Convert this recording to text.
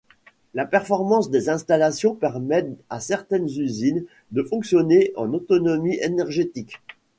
La performance des installations permet à certaines usines de fonctionner en autonomie énergétique.